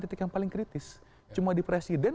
titik yang paling kritis cuma di presiden